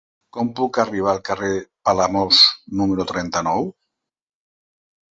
Com puc arribar al carrer de Palamós número trenta-nou?